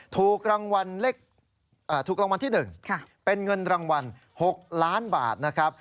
ถูกรางวัลที่๑เป็นเงินรางวัล๖ล้านบาทนะครับ